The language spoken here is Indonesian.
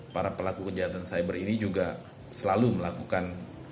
para pelaku kejahatan cyber ini juga selalu melakukan